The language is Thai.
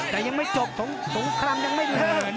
โถงคลำโถงคลำยังไม่ถึง